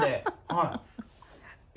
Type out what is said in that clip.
はい。